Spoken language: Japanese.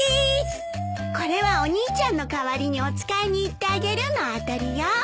これは「お兄ちゃんの代わりにお使いに行ってあげる」の当たりよ。